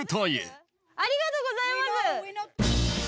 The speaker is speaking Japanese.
ありがとうございます。